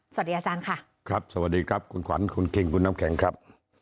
สวัสดีอาจารย์ค่ะครับสวัสดีครับคุณขวัญคุณคิงคุณน้ำแข็งครับ